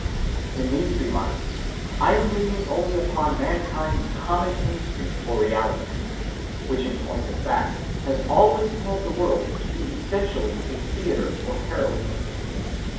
In these remarks I am leaning only upon mankind's common instinct for reality, which in point of fact has always held the world to be essentially a theatre for heroism.